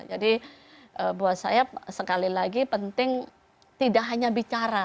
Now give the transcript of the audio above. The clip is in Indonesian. jadi buat saya sekali lagi penting tidak hanya bicara